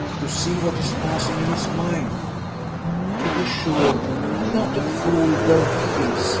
You see what is passing in his mind." "To be sure: I am not a fool, though he is.